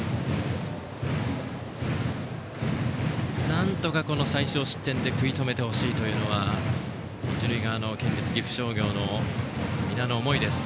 なんとか最少失点で食い止めてほしいというのは一塁側の県立岐阜商業のみんなの思いです。